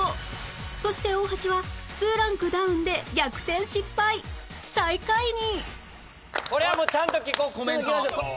そして大橋は２ランクダウンで逆転失敗最下位に